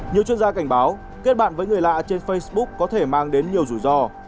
nhiều chuyên gia cảnh báo kết bạn với người lạ trên facebook có thể mang đến nhiều rủi ro